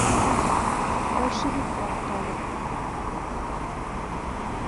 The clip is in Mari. Большевик-влак толыт!